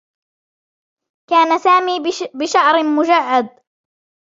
كان سامي بشعر مجعد.